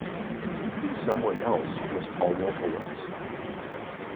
The someone else was Paul Wolfowitz.